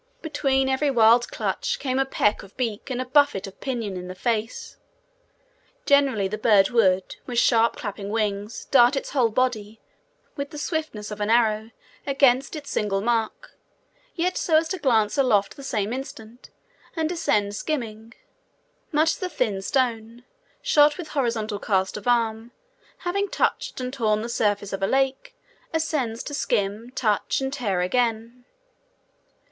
Between every wild clutch came a peck of beak and a buffet of pinion in the face. Generally the bird would, with sharp clapping wings, dart its whole body, with the swiftness of an arrow, against its singled mark, yet so as to glance aloft the same instant, and descend skimming; much as the thin stone, shot with horizontal cast of arm, having touched and torn the surface of the lake, ascends to skim, touch, and tear again.